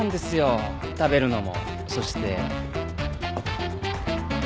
食べるのもそして